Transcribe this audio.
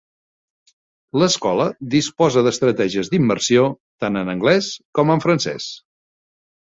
L'escola disposa d'estratègies d'immersió tant en anglès com en francès.